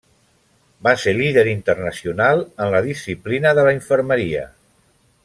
Va ser líder internacional en la disciplina de la infermeria.